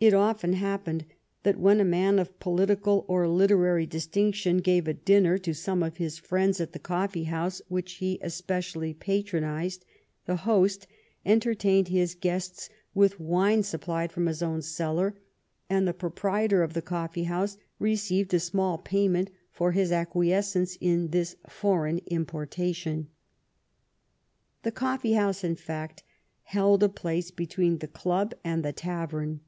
It often happened that when a man of political or literary distinction gave a dinner to some of his friends in the coffee house which he especially patronized, the host entertained his guests 192 "THE TRIVIAL ROUND— THE COMMON TASK with wine supplied from his own cellar, and the pro prietor of the coflFee honse received a small payment for his acquiescence in this foreign importation. The coffee house, in fact, held a place between the club and the tavern.